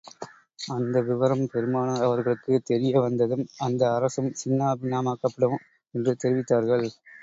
அந்த விவரம் பெருமானார் அவர்களுக்குத் தெரிய வந்ததும், அந்த அரசும் சின்னா பின்னமாக்கப்பட்டுவிடும் என்று தெரிவித்தார்கள்.